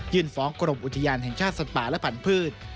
ฟ้องกรมอุทยานแห่งชาติสัตว์ป่าและพันธุ์